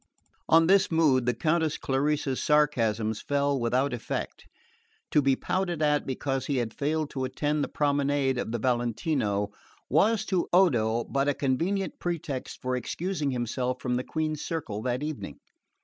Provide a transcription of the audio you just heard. On this mood the Countess Clarice's sarcasms fell without effect. To be pouted at because he had failed to attend the promenade of the Valentino was to Odo but a convenient pretext for excusing himself from the Queen's circle that evening.